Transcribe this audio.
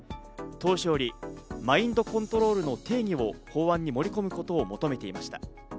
当初よりマインドコントロールの定義を法案に盛り込むことを求めていました。